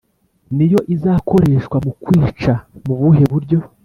niyo izakoreshwa mukwica mubuhe buryo?"